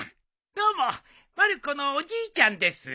どうもまる子のおじいちゃんです。